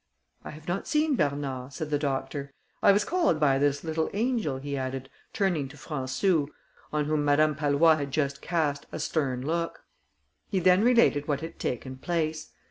"I have not seen Bernard," said the doctor. "I was called by this little angel," he added, turning to Françou, on whom Madame Pallois had just cast a stern look. He then related what had taken place.